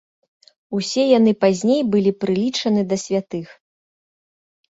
Усе яны пазней былі прылічаны да святых.